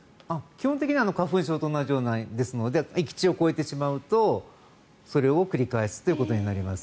基本的には花粉症と同じですので閾値を超えてしまうとそれを繰り返すことになります。